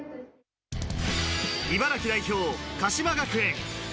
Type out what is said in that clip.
茨城代表・鹿島学園。